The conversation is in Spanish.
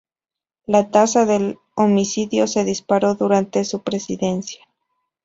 La tasa de homicidios se disparó durante su presidencia.